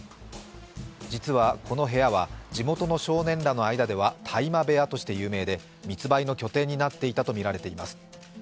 実はこの部屋は地元の少年らの間では大麻部屋として有名で密売の拠点になっていたとみられています。